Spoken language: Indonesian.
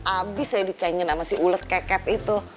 abis ya dicanyin sama si ulet keket itu